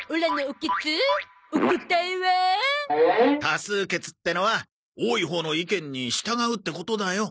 多数決ってのは多いほうの意見に従うってことだよ。